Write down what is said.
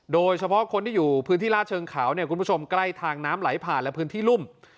โดยเฉพาะคนที่อยู่พื้นที่ลาดเชิงเขาเนี่ยคุณผู้ชมใกล้ทางน้ำไหลผ่านและพื้นที่รุ่ม